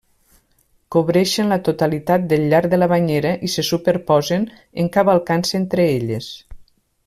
Cobreixen la totalitat del llarg de la banyera i se superposen, encavalcant-se entre elles.